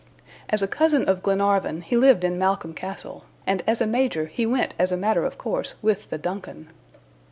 As a cousin of Glenarvan, he lived in Malcolm Castle, and as a major he went as a matter of course with the DUNCAN.